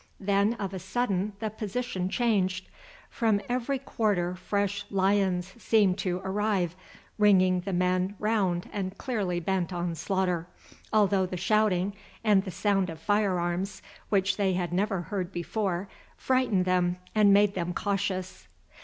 Then of a sudden the position changed. From every quarter fresh lions seemed to arrive, ringing the men round and clearly bent on slaughter, although the shouting and the sound of firearms, which they had never heard before, frightened them and made them cautious.